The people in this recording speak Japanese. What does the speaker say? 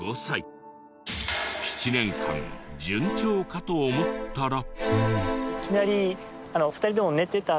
７年間順調かと思ったら。